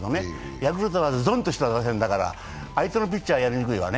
ヤクルトはズドンとした打線だから相手のピッチャーはやりにくいわね。